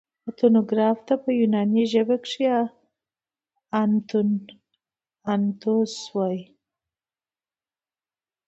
اتنوګراف ته په یوناني ژبه کښي انتوس وايي.